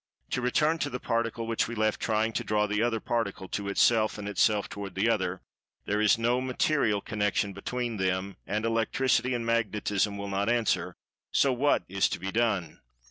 To return to the Particle which we left trying to draw the other Particle to itself, and itself toward the other. There is no material connection between them (and Electricity and Magnetism will not answer), so what is to be done?